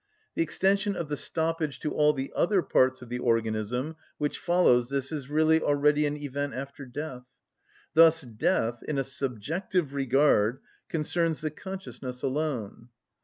The extension of the stoppage to all the other parts of the organism which follows this is really already an event after death. Thus death, in a subjective regard, concerns the consciousness alone.